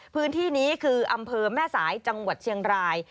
พื้นที่นี้คืออำเภอแม่สายจังหวัดเชียงราย